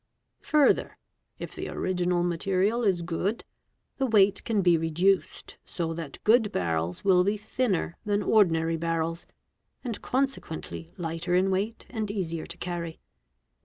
Further, if the original material is good, the weight can be reduced, so — that good barrels will be thinner than ordinary barrels and consequently lighter in weight and easier to carry.